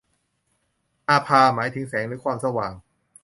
อาภา หมายถึงแสงหรือความสว่าง